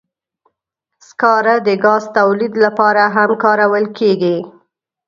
سکاره د ګاز تولید لپاره هم کارول کېږي.